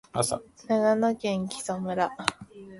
長野県木祖村